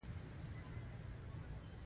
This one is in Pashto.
لاسونه او پښې ورغوڅوي.